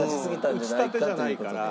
打ち立てじゃないから。